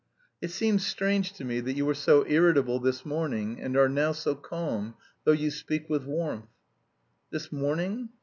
"It seems strange to me that you were so irritable this morning and are now so calm, though you speak with warmth." "This morning?